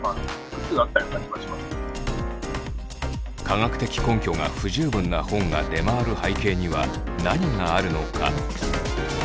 科学的根拠が不十分な本が出回る背景には何があるのか。